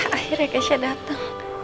akhirnya kesya dateng